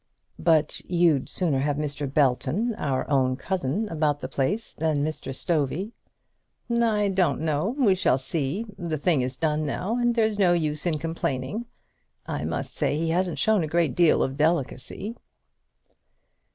"But you'd sooner have Mr. Belton, our own cousin, about the place, than Mr. Stovey." "I don't know. We shall see. The thing is done now, and there is no use in complaining. I must say he hasn't shown a great deal of delicacy."